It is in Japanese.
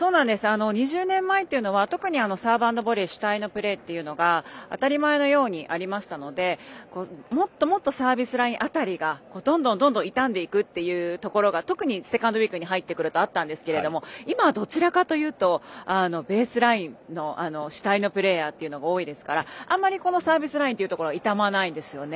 ２０年前っていうのは特にサーブ＆ボレー主体のプレーっていうのが当たり前のようにありましたのでもっともっとサービスライン辺りがどんどん傷んでいくっていうところが特にセカンドウイークに入ってくるとあったんですけれども今どちらかというとベースライン主体のプレーヤーというのが多いですからあまりこのサービスラインというのは傷まないですよね。